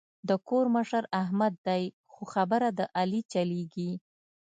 د کور مشر احمد دی خو خبره د علي چلېږي.